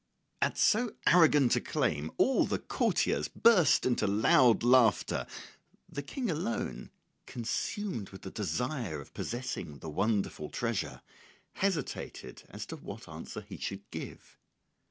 At so arrogant a claim all the courtiers burst into loud laughter; the King alone, consumed with the desire of possessing the wonderful treasure, hesitated as to what answer he should give.